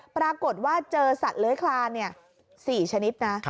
ปรากฏว่าเจอสัตว์เลื้อยคลาน๔ชนิดนะ